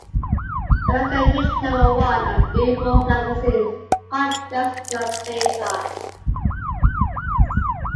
The record reached number one on "Billboard" Magazine's Hot Dance Club Play chart.